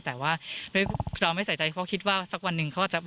แต่ว่าเราไม่ใส่ใจเพราะคิดว่าสักวันหนึ่งเขาจะ